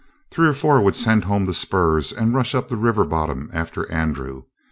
Three or four would send home the spurs and rush up the river bottom after Andrew.